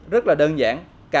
rất là đơn giản